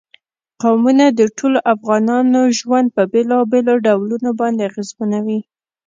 قومونه د ټولو افغانانو ژوند په بېلابېلو ډولونو باندې اغېزمنوي.